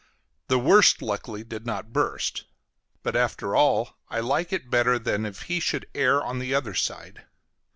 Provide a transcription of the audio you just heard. The worst luckily did not burst. But after all I like it better than if he should err on the other side.